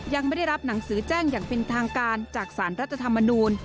ยังไม่ได้รับหนังสือแจ้งอย่างเป็นทางการจากสารรัฐธรรมนูล